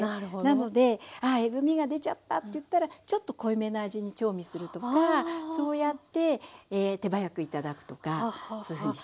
なのでああえぐみが出ちゃったっていったらちょっと濃いめの味に調味するとかそうやって手早く頂くとかそういうふうにして下さい。